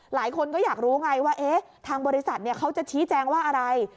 หลายคนก็อยากรู้ไงว่าทางบริษัทเขาจะชี้แจงว่าอะไร